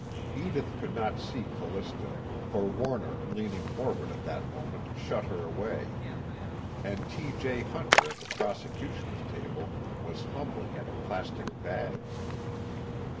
Edith could not see Callista, for Warner leaning forward at that moment shut her away. And T. J. Hunter at the prosecution's table was fumbling at a plastic bag.